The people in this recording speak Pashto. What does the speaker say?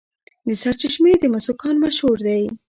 د سرچشمې د مسو کان مشهور دی.